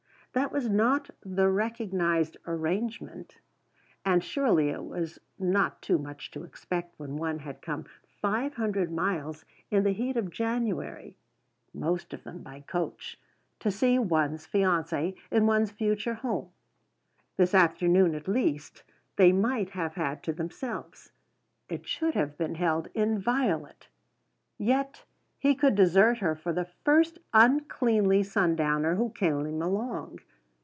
That was the recognised arrangement, and surely it was not too much to expect when one had come five hundred miles in the heat of January (most of them by coach) to see one's fiancé in one's future home. This afternoon, at least, they might have had to themselves. It should have been held inviolate. Yet he could desert her for the first uncleanly sundowner who came along!